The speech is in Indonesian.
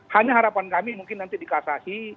hanya harapan kami mungkin nanti dikasasi